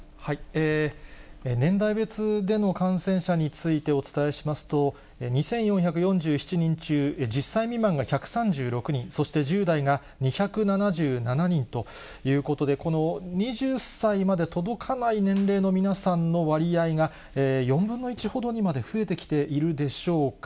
年代別での感染者についてお伝えしますと、２４４７人中１０歳未満が１３６人、そして１０代が２７７人ということで、この２０歳まで届かない年齢の皆さんの割合が４分の１ほどにまで増えてきているでしょうか。